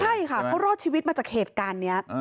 ใช่ค่ะเขารอดชีวิตมาจากเหตุการณ์นี้